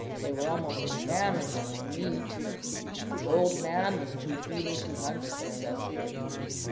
They were almost famished for meat. The old man was too feeble to hunt successfully.